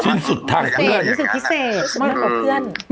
สิ้นสุดท้ายอย่างนี้